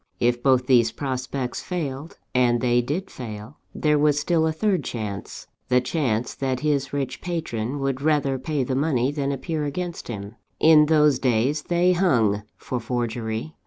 If both these prospects failed (and they did fail), there was still a third chance the chance that his rich patron would rather pay the money than appear against him. In those days they hung for forgery.